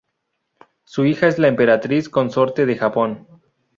Su hija es la emperatriz consorte de Japón.